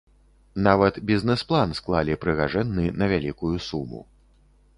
Нават бізнэс-план склалі прыгажэнны на вялікую суму.